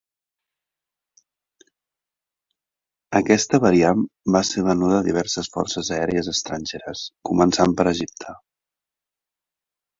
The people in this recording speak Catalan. Aquesta variant va ser venuda a diverses forces aèries estrangeres, començant per Egipte.